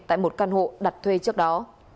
tại một căn hộ đặt thuê trước đó